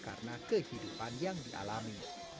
karena kehidupan yang dialami